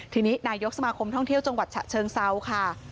ทีนี้นายกสมาคมท่องเที่ยวจังหวัดฉะเชิงเซาค่ะ